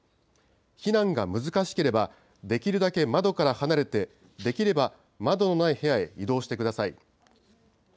避難が難しければ、できるだけ窓から離れて、できれば窓のない部屋へ移動してください。